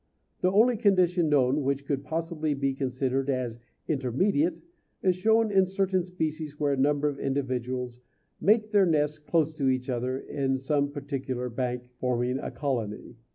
The only condition known which could possibly be considered as intermediate is shown in certain species where a number of individuals make their nests close to each other in some particular bank, forming a colony.